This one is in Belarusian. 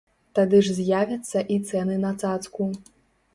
Тады ж з'явяцца і цэны на цацку.